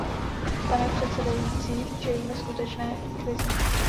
Pane předsedající, čelíme skutečné krizi.